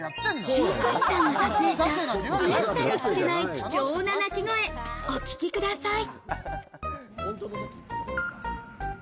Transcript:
飼育員さんが撮影した、めったに聞けない貴重な鳴き声、お聞きください。